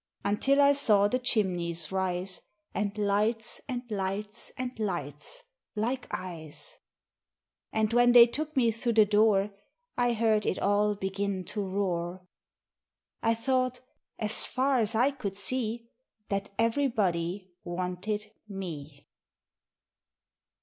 Until I saw the chimneys rise, And lights and lights and lights, like eyes. And when they took me through the door, I heard It all begin to roar. I thought as far as I could see That everybody wanted Me!